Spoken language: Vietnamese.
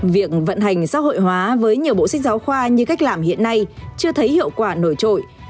việc vận hành xã hội hóa với nhiều bộ sách giáo khoa như cách làm hiện nay chưa thấy hiệu quả nổi trội